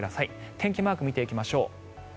天気マークを見ていきましょう。